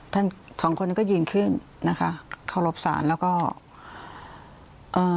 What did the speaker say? ท่านสองคนก็ยืนขึ้นนะคะเขารบศาลแล้วก็เอ่อ